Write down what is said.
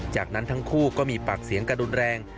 จากนั้นทั้งคู่ก็มีปากเสียงกระดุนแรง